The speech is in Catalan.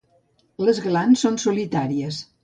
Les glans són solitàries.